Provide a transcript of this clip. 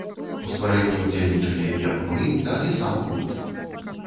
У стварэнні ўдзельнічалі як мы, так і сам гурт.